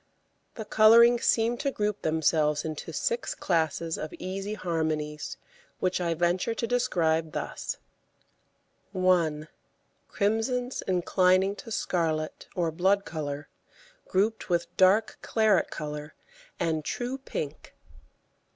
The colourings seem to group themselves into six classes of easy harmonies, which I venture to describe thus: 1. Crimsons inclining to scarlet or blood colour grouped with dark claret colour and true pink.